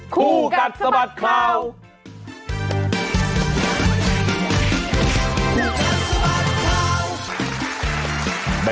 คู่กัดสมัครข่าว